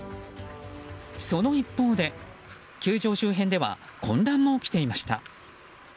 その一方で、球場周辺では混乱も起きていました。